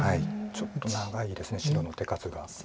ちょっと長いです白の手数が。